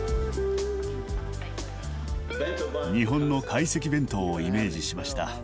日本の懐石弁当をイメージしました。